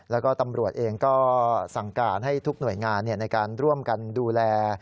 แล้วก็ตำรวจเองก็สั่งการให้ทุกหน่วยงานในการร่วมกันดูแล